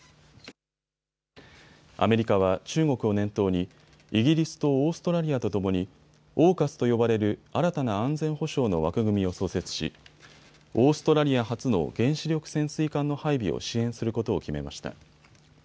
アメリカは中国を念頭にイギリスとオーストラリアとともにＡＵＫＵＳと呼ばれる新たな安全保障の枠組みを創設しオーストラリア初の原子力潜水艦の配備を支援することを決めました。